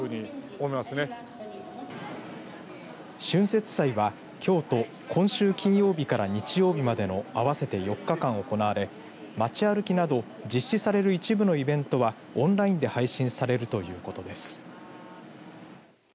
春節祭はきょうと今週金曜日から日曜日までの合わせて４日間行われ街歩きなど実施される一部のイベントはオンラインで配信されるということです。